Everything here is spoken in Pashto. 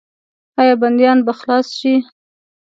آیا بندیان به خلاص شي؟